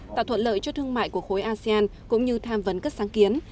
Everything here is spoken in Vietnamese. tạo thuận lợi cho thương mại của khối asean cũng như tham vấn các sáng kiến